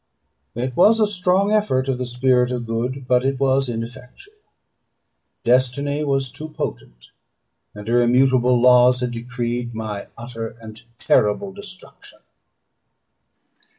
It was a strong effort of the spirit of good; but it was ineffectual. Destiny was too potent, and her immutable laws had decreed my utter and terrible destruction.